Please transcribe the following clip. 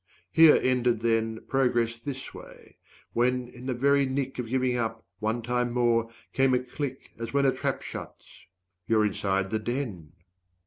Here ended, then, Progress this way. When, in the very nick Of giving up, one time more, came a click As when a trap shuts you're inside the den!